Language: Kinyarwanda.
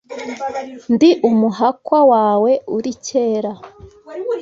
Ndi umuhakwa wawe uri kera